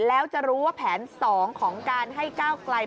แล้วจะรู้ว่าแผน๒ของการให้ก้าวไกล